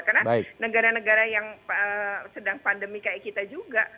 karena negara negara yang sedang pandemi kayak kita juga